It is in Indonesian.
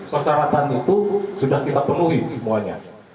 persyaratan itu sudah kita penuhi semuanya